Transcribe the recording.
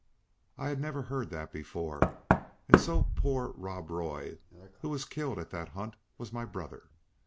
I had never heard that before; and so poor Rob Roy who was killed at that hunt was my brother!